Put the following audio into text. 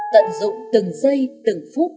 tận dụng từng giây từng phút